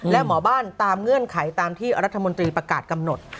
และหมอบ้านตามเงื่อนไขตามที่รัฐมนตรีประกาศกำหนด